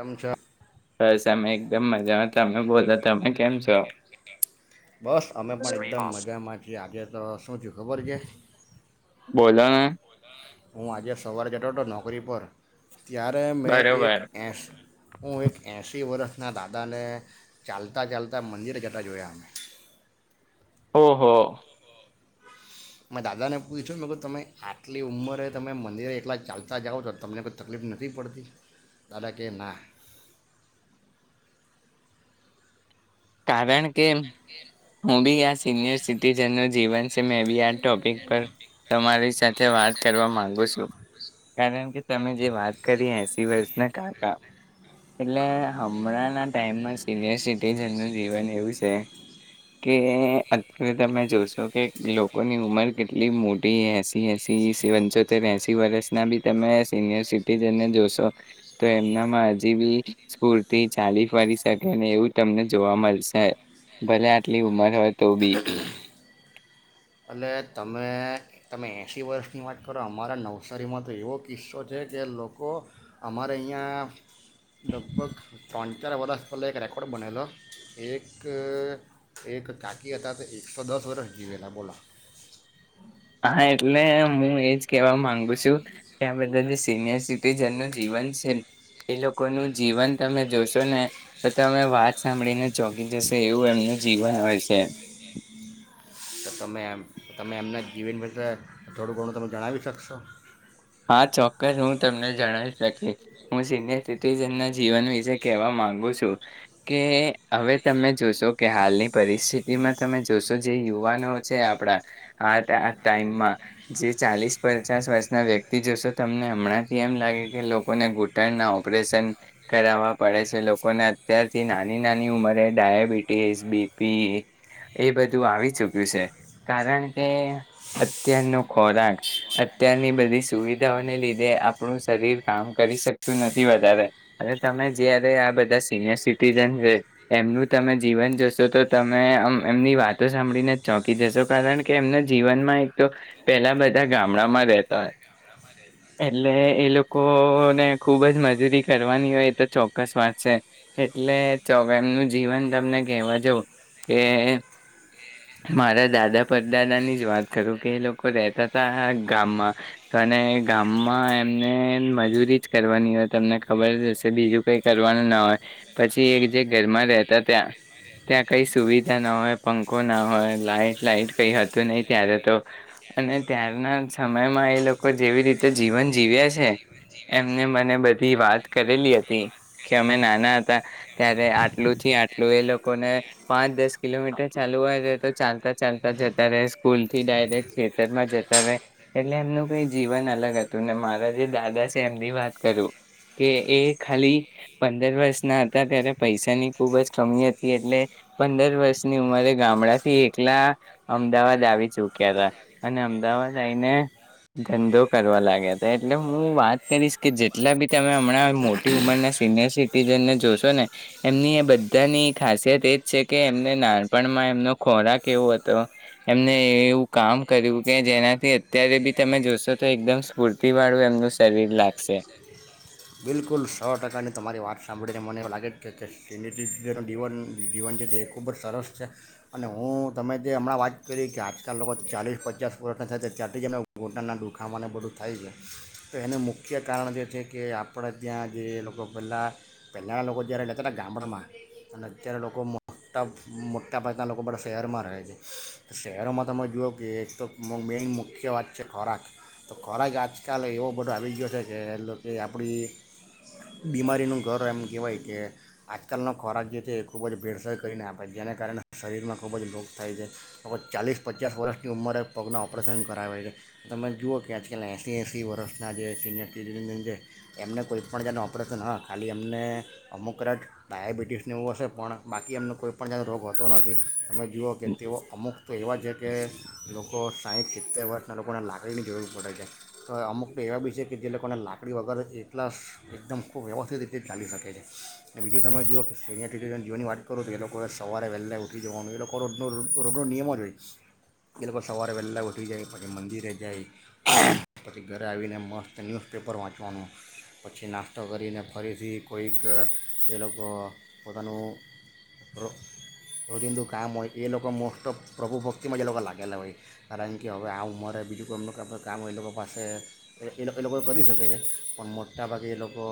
આમ ચ બસ અમે એકદમ મજામાં તમે બોલો તમે કેમ છો બસ [unintelligible] આજે તો શું થયું ખબર છે. બોલો ને હું આજે સવારે જતો હતો નોકરી પર તિય્યારે મેં એક બરોબર એશ હું એક એંશી વર્ષના દાદાને ચાલતા ચાલતા મંદિરે જતા જોયા અમે ઓહો મેં દાદાને પૂછ્યું મે તમે આટલી ઉંમરે તમે મંદિરે એકલા ચાલતા જાઓ છો તમને કોઈ તકલીફ નથી પડતી દાદા કે‌ કારણ કે હું બી આ સિનિયર સિટીજન નુ જીવન મે બી આ ટોપિક પર તમારી સાથે વાત કરવા માંગુ છું કારણ કે તમે જે વાત કરી એસી વર્ષના કાકા એટલે હમણાંના ટાઈમમાં સિનિયર સિટીઝન જીવન એવું છે કે અત્યારે તમે જોશો કે લોકોની ઉંમર કેટલી મોટી એસી એસી પંચોતેર એસી વર્ષના બી તમે સિનિયર સિટીજનને જોશો તો એમનામાં હજી બી સ્કૂર્તિ ચાલી ફરી શકે એવું તમને જોવા મલશે ભલે આટલી ઉંમર હોય તો બી એટલે તમે તમે એંશી વર્ષની વાત કરો અમારા નવસારીમાં તો એવો કિસ્સો છે કે લોકો અમારે અહીંયા લગભગ ત્રણ ચાર વરષ પહેલા એક રેકોર્ડ બનેલો એક એક કાકી હતા તો એકસો દસ વરષ જીવેલા બોલા હા એટલે હું એજ કેવા માંગુ છું કે આ બધા જે સિનિયર સિટીજન નું જીવન છે. એ લોકો નું જીવન તમે જોશો ને તો તમે વા સાંભળીને ચોકી જશે એવું એમનું જીવન હોય છે. તો તમે એમ તમે એમના જીવન વિશે થોડું ઘણું તમે જણાવી શકશો. હા ચોક્કસ હું તમને જણાવી શકી હું સિનિયર સિટીઝન ના જીવન વિશે કહેવા માંગુ છું કે હવે તમે જોશો કે હાલની પરિસ્થિતિમાં તમે જોશો જે યુવાનો છે આપણ આ ટાઈમા જે ચાલીસ પંચાસ વર્ષના વ્યક તી જોશો તમને હમણાંથી એમ લાગે કે લોકોને ઘૂંટણના ઓપરેશન કરાવવા પડે છે લોકોને અત્યારથી નાની નાની ઉંમરે ડાયાબિટીસ બીપી એ બધું આવી ચૂક્યું છે કારણ કે અત્યારનો ખોરાક અત્યારની બધી સુવિધાઓને લીધે આપણું શરીર કામ કરી શકતું નથી વધારે અને તમે જયારે આ બધા સિનિયર સિટીઝન છે એમનું તમે જીવન જશો તો તમેમ એમની વાતો સાંભળીને જ ચોંકી જશો કારણ કે એમના જીવનમાં એક તો પેલા બધા ગામડામાં રહેતા હોય એટલે એ લોકોને ખુબ જ મજૂરી કરવાની હોય એ તો ચોક્કસ વાત છે એટલે એમનું જીવન તમને કહેવા જવં કે મારા દાદા પરદાદાની જ વાત કરું કે એ લોકો રેતા હતા ગામમાં તો ગામમાં એમને મજૂરી જ કરવાની હોય તમને ખબર જ હશે બીજું કઈ કરવાનું ના હોય પછી એક જે ઘરમાં રહેતા ત્યાં ત્યાં કઈ સુવિધા ના હોય પંખો ના હોય લાાઈટ લાઈટ કઈ હતું નહી ત્યારે તો અને ત્યારના સમયમાં એ લો કો જેવી રીતે જીવન જીવ્યા છે એમને મને બધી વાત કરેલી હતી કે અમે નાના હતા ત્યારે આટલું થી આટલું એ લોકોને પાંચ દસ કિલોમીટર ચાલુ હોય રહે તો ચાલતા ચાલતા જતા રહે સ્કૂલ થી ડાયરેક્ટ થિયેટર માં જતા રહે એટલે એમનું કઈ જીવન અલગ હતું ને મારા જે દાદા છે એમની વાત કરું કે એ ખાલી પંદર વર્ષ ના હતા ત્યારે પૈસાની ખુબ જ કમી હતી એટલે પંદર વર્ષની ઉંમરે ગામડાથી એકલા અમદાવાદ આવી ચુક્યા હતા અને અમદાવાદ આવીઈને ધંધો કરવા લાગ્યા હતા એટલે હું વાત કરીશ કે જેટલા બી તમે હમણાં મોટી ઉંમરના સિનિયર સિટીઝનને જોશો ને એમની એ બધાની ખાસિયત એજ છે કે એમને નાનપણમાં એમનો ખોરાક એવો હતો એમને એવું કામ કર્યું કે જેનાથી ત્યારે બી [unintelligible] એકદમ સ્ફૂર્તિ વાળું એમનું શરીર લાગશે. બિલકુલ સો ટકાની તમારી વાત સાંભળીને મને એવું લાગે છે કે સિનટીનું જીવન જીવન છે તે એ ખૂબ જ સરસ છે, અને હું તમે જે હમણાં વાત કરી કે આજકાલ લોકો ચાલીસ પચાસ વર્ષના થાય ત્યાંથી જ એમને ઘોટના દુખાવાને બધું થાય છે, તો એનું મુખ્ય કારણ જે છે કે આપ આપણે ત્યાં જે લોકો પહેલાં, પહેલાંના લોકો જ્યારે રહેેતા ને ગામડામાં અને અત્યારે લોકો મોટા મોટા ભાગના લોકો બધા શહેરમાં રહે છે, શહેરોમાં તમે જોઓ કે એક તો મેઇન મુખ્ય વાત છે ખોરાક તો ખોરાક આજકાલ એવો બધો આવી ગયો છે કે એ આપણી, બીમારીનું ઘર એમ કહેવાય કે, આજકાલનો ખોરાક જે છે એ ખૂબ જ ભેળસળ કરીને આપે જેને કારણે શરીરમાં ખૂબ જ રોગ થાય છે, લગગ ચાલીસ પચાસ વર્ષની ઉંમરે પગના ઓપરેશન કરાવે છે, તમે જુઓ કે આજકાલના એંસીી એંસી વર્ષના જે સિનિયર સિટીઝનન છે. એમને કોઈપણ જાનું ઓપરેશન હ ખાલી એમને અમુક કદાચ ડાયાબિટીસનું એવું હશે પણ બાકી એમનો કોઈપણ જાનો રોગ હોતો નથી, તમે જુઓ કે તેઓ અમુક તો એવા છે કે, લોકો સાહીઠ સિત્તેર વર્ષના લોકોને લાકડીની જરૂર પડે છે, તો અમુક તો એવા બી છે કે જે લોકોને લાકડી વગર એ કલાસ એકદમ ખૂબ વ્યવસ્થિત રીતે ચાલી શકે છે, અને બીજું તમે જુઓ કે સિનિયર સીટીઝન જોવાની વાત કરો તો એ લોકોએ સવારે વહેલા ઉઠી જવાનું એ લોકો રોડનો રોડનો નિયમો જ હોય, એ લોકો સવારે વહેલા ઉઠી જાય પછી મંદિરે જાય, પછી ઘરે આવીને મસ્ત ન્યૂઝપેપર વાંચવાનું. પછી નાસ્તો કરીને ફરીથી કોઈક એ લોકો પોતાનું રોજિંદુ કામ હોય એ લોકો મોસ્ટ ઓફ પ્રભુ ભક્તિમાં એ લોકો લાગેલા હોય, કારણ કે હવે આ ઉંમરે બીજું કોઈ એમ કામ એ લોકો પાસે એ એ લોકો કરી શકે છે. પણ મોટાભાગે એ લોકો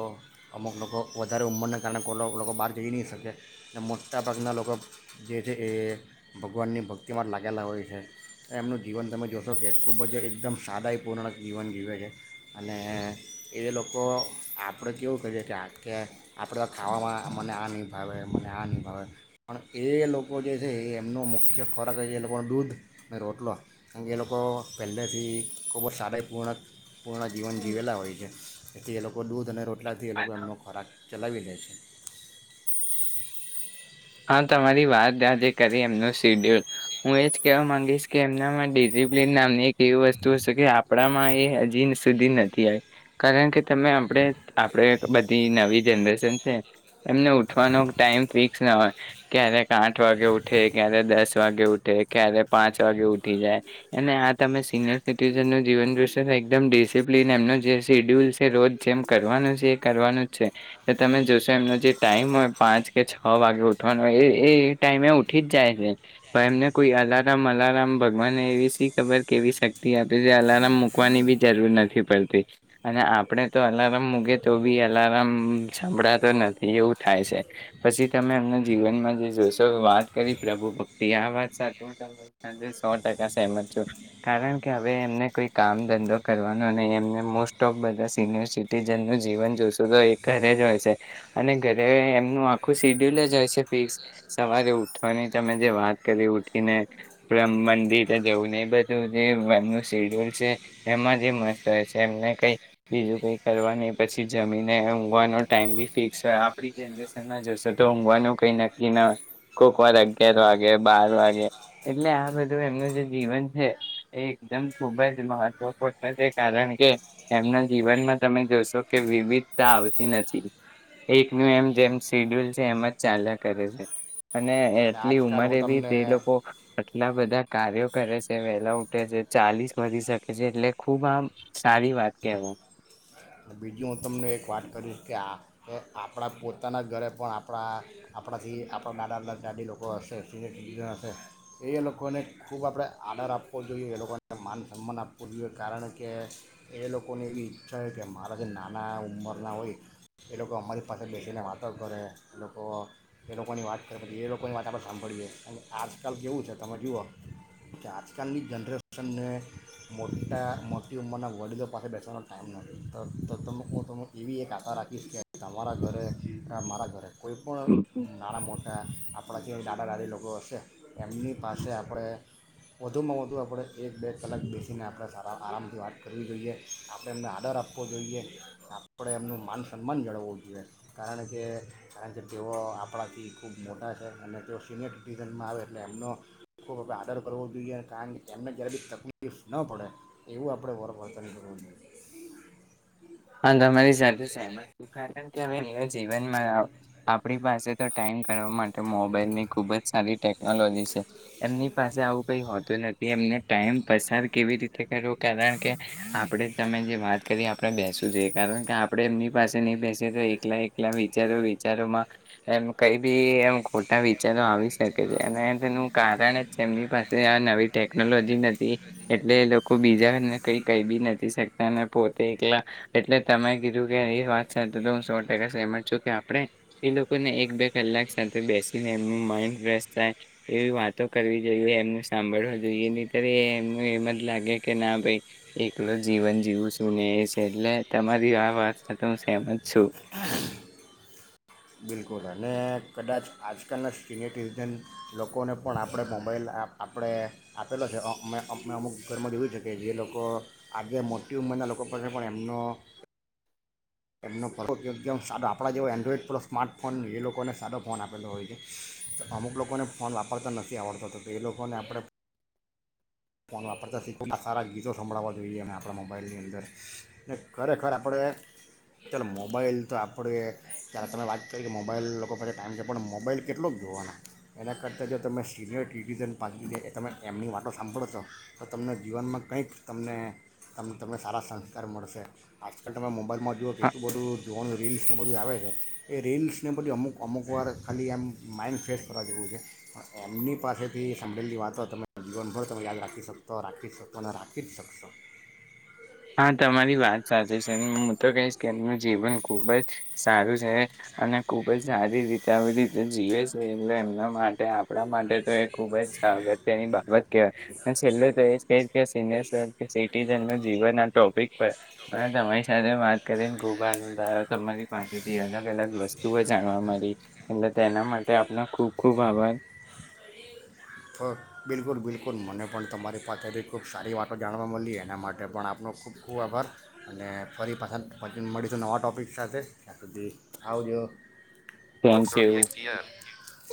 અમુક લોકો વધારે ઉંમરને કારણે કો લોકો બહાર જઈ નહીં શકે, અને મોટાભાગના લોકો જે છે એ ભગવાનની ભક્તિ માટે લાગેલા હોય છે, એમનું જીવન તમે જોશો કે ખૂબ જ એકદમ સાદાાઈપૂર્ણ જીવન જીવે છે, અને એ લોકો આપણે કેવું કહીએ કે કે આપણે તો ખાવામાં મને આ નહીં ભાવે મને આ નહીં ભાવે, પણ એ લોકો જે છે એ એમનો મુખ્ય ખોરાક છે એ લોકોનો દૂધ અને રોટલો કારણ કે એ લોકો પહેલેથી ખૂબ જ સારીપૂર્ણક પૂર્ણ જીવન જીવેલા હોય છે. એથી એ લોકો દૂધ અને ર એટલાંથી એ લોકો એમનો ખોરાક ચલાવી લે છે. હા. તમારી વાત આજે કરી એમનો શિડ્યુલ, હું એ કેવા માંગીશ કે એમનામાં ડિસિપ્લિન નામની એક એવી વસ્તુ હશે કે કપડામાં એ હજી સુધી નથી આવી, કારણ કે તમે આપણે આપણેે બધી નવી જરેશન છે, એમને ઉઠવાનો ટાઈમ ફિક્સ ના હોય. ક્યારેક આઠ વાગે ઉઠે ક્યારેક દસ વાગે ઉઠે ક્યારે પાંચ વાગે ઉઠી જાય, અને આ તમે સિનિયર સિટીઝનનું જીવન દશો એકદમ ડિસિપ્લિન એમનો જે શેડ્યુલ છે રોજ જેમ કરવાનો છે એ કરવાનું જ છે, તો તમે જોશો એમનો જે ટાઈમ હોય પાંચ કે છ વાગે ઉ એ ટાઈમે ઉઠી જ જાય છે, પણ એમને કોઈ અલારમ અલારમ ભગવાનને એવી સી ખબર કે એવી શક્તિ આપે છે અલાર્મ મૂકવાની બી જરૂર નથી પડતી, અને આપણે તો અલાર્મ મૂકે તો બી અલાર્મ સંભળાતો નથી એવું થાય છે, પછી તમે અ જીવનમાં જે જોશો વાત કરી પ્રભુ ભક્તિ આ વાત સાથે હું ત સો ટકા સહેમત છું, કારણ કે હવે એમને કોઈ કામ ધંધો કરવાનો નહી એમને મોસ્ટ ઓફ બધા સિનિયર સિટીજનનું જીવન જોશો તો એ ઘરે જ હોય છે, અને ઘરે એમનું આખું સિડ્યુલ જ હોય છે. સવારે ઉઠવાની તમે જે વાત કરી ઉઠીને મંદિરે જવું ને એ બધું જે એમનું શેડ્યુલ છે, એમાં જે મસ્ત હોય છે એમને કઈ બીજું કઈ કરવાનું પછી જમીને ઊઘવાનો ટાઈમ બી ફિક્સ હોય આપણી જનરેશનમાં જશો તો ઊઘવાનો કઈ નક્કી ના કોક વાર અગિયાર વાગે બાર વાગે, એટલે આ બધું એમનું જે જીવન છે એ એકદમ ખુબ જ મહત્વપૂર્ણ છે કારણ કે, એમના જીવનમાં તમે જોશો કે વિવિધતા આવતી નથી, એકનું એમ જેમ શેડ્યુલ છે એમ જ ચાલ્યા કરે છે. અને એટલી આજકાલ ઉંમરે હું બી તમને તે લોકો કેટલા બધા કાર્યો કરે છે વેલા ઉઠે છે ચાલીસ વધી શકે છે એટલે ખુબ આમ સારી વાત કેવું. અને બીજી હું તમને એક વાત કરીશ કે આ એ આપણા પોતાના ઘરે પણ આપણા આપણાથી આપણા દાદા દા જાાદી લોકો હશે, સિનિયર સિટીઝન હશે એ લોકોને ખૂબ આપણે આદર આપવો જોઈએ, એ લોકોને માન સન્માન આપવો જોઈએ કારણ કે, એ લોકોને એવી ઈચ્છા છે કે મારા જે નાના ઉંમરના હોય, એ લોકો અમારી પાસે બેસીને વાતો કરે એ લોકો એ લોકોની વાત કરે, પછી એ લોકોની વાત આપણે સાંભળીએ અને આજકાલ કેવું છે તમે જુઓ કે આજકાલની જનરેશનને મોટા મોટી ઉંમરના વડીલો પાસે બેસવાનો ટાઈમ ન તો હું તમ એવી એક આશા રાખીશ કે તમારા ઘરે મારા ઘરે કોઈ પણનો ના મો આપણા જે દાદા દાદી લોકો હશે, એમની પાસે આપણે વધુમાં વધુ આપણે એક બે કલાક બેસીને આપણે સારા આરામથી વાત કરવી જોઈએ, આપણે એમને ઓર્ડર આપવો જોઈએ, આપણે એમનું માન સન્માન જળવવું જોઈએ, કારણ કે કારણ કે તેઓ આપણાથી ખૂબ મોટા છે અને તેઓ સિનિયર સિટીઝનમાં આવે એટલે એમનો, ખૂબ આદર કરવો જોઈએ કારણ કે એમને જ્યારે બી તકલીફ ન પડે એવું આપણે વરવર્તન કરવું જોઈએ. હા તો અમારી સાથે સહમત છુ. જીવનમાં આપણી પાસે તો ટાઈમ કરવા માટે મોબાઈલ ની ખુબ જ સારી ટેક ટેલોજી છે, એમની પાસે આવું કઈ હોતું નથી એમને ટાઈમ પસાર કેવી રીતે કરવો કારણ કે, આપણે તમે જે વાત કરીએ આપણે બેસ કે આપણે એમની પાસે નહી બેસી તો એકલા એકલા વિચારો વિચારોમાં, એમ કઈ બી એમ ખોટા વિચારો આવી શકે છે અને તેનું કારણ જ છે એમની પાસે આ નવી ટેકનોલોજી નથી, એટલે એ લોકો બીજાને કઈ કઈ બી નથી શકતા અને પોતે એકલા એટલે તમે કીધું કે એ વાત સાથે તો હું સો ટકા સહેમત છું કે આપણે, એ લોકોને એક બે કલાક સાથે બેસીને એમનું માઇન્ડ ફ્રેશ થાય, એવી વાતો કરવી જોઈએ એમનું સાંભળવા જોઈએ નહી ત્યારે એમનું એમ જ લાગે કે ના ભાઈ, એકલો જીવન જીવું શું ને એ છે એટલે તમારી આ વાત તો મેં સેહમત છું. બિલકુલ. અને કદાચ આજકાલના સિનિયર સિટીઝન લોકોને પણ આપણે મોબાઈલ આપણે આપેલો છે અ અમે અમુક ઘરમાં જોવું છે કે જે લોકો આજે મોટી ઉંમરના લોકો પાસે પણ એમનો એમનો પ્રવ જેમ સાો આપણા જેવો એન્ડ્રોઈડ પ સ્માર્ટ ફોન એ લોકોને સારો ફોન આપેલો હોય છે. તો અમુક લોકોને ફોન વાપરતા નથી આવડતા. તો એ લોકોને આપણે ફોન વાપરતા શીખ સારા ગીતો સંભળાવવા જોઈએ. અ આપણા મોબાઈલની અંદર ને ખરેખર આપણે ચાલ મોબાઈલ તો આપણે ત્યારે તમે વાત કરી કે મોબાઈલ લોકો પાછી ટાઈમ છે. પણ મોબાઈલ કેટલો જ જોવાનો એના કરતાં જો તમે સિનિયર સિટીઝન પા એ તમે એમની વાતો. સાંભળો છો તો તમને જીવનમાં કંઈક તમને તમ તમને સારા સંસ્કાર મળશે. આજકાલ તમે મોબાઈલ [unintelligible] જોવાનું રીલ્સને બધું આવે છે. એ રીલ્સને બધું અમુક અમુક વાર ખાલી એમ માઇન્ડ ફ્રેશ કરવા જેવું છે. પણ એમની પાસેથી સંભળેલી વાતો તમે જીવનભર. યાદ રાખી શકતો. રાખી શકતો અનેને રાખી જ શકશ. હા તમારી વાત સાચી છે. હું તો કહીશ કે એમનું જીવન ખુબ જ સારું છે. અને ખુબ જ સારી રીતે બધી. જે જીવે છે. એટલે એમના માટે આપ. આપ માટે તો એ ખુબ જ સાગત્યની બાબત કહેવાય. છેલ્લે તો એ કેહ છે સિનિયર સિટીઝન જીવનના ટોપિક પર તમારી સાથે વાત કરીને ખૂબ આનંદ આવ્યો. તમારી પાસેથી અલગ અલગ વસ્તુઓ જાણવા મળી. એટ તેના માટે આપનો ખૂબ ખૂબ આભાર. તો બિલકુલ બિલકુલ. મને પણ તમારી પાસે બી ખૂબ સારી વાતો જાણવા મળી. એના માટે પણ આપનો ખૂબ ખૂબ આભાર. અને ફરી પાછળ મળીશું. નવા ટોપિક સાથે ત્યાં સુધી આવજો. Thank you [unintelligible]